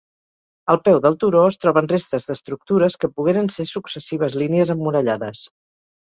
Al peu del turó es troben restes d'estructures que pogueren ser successives línies emmurallades.